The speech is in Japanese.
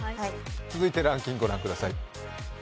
続いてランキングご覧ください。